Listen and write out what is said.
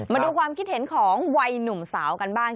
มาดูความคิดเห็นของวัยหนุ่มสาวกันบ้าง